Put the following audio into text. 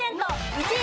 １位